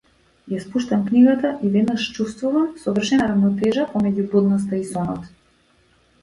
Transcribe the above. Ја спуштам книгата и веднаш чувствувам совршена рамнотежа помеѓу будноста и сонот.